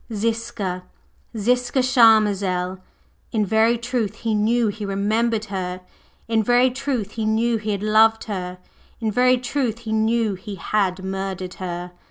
Ziska! Ziska Charmazel! In very truth he knew he remembered her; in very truth he knew he had loved her; in very truth he knew he had murdered her!